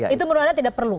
itu menurut anda tidak perlu